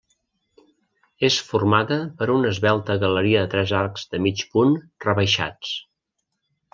És formada per una esvelta galeria de tres arcs de mig punt rebaixats.